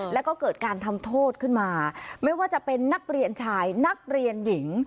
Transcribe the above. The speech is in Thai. แล้วก็เกิดการทำโทษขึ้นมาไม่ว่าจะเป็นนักเรียนชายนักเรียนหญิง